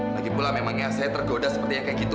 lagipula memangnya saya tergoda seperti yang kayak gitu